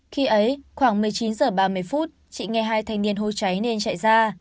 khi ấy khoảng một mươi chín h ba mươi chị nghe hai thành niên hô cháy nên chạy ra